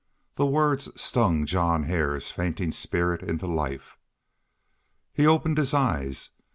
The words stung John Hare's fainting spirit into life. He opened his eyes.